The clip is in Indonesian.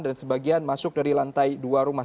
dan sebagian masuk dari lantai dua rumah